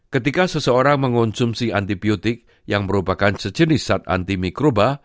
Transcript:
ketika seseorang mengonsumsi antibiotik yang merupakan sejenis sat antimikroba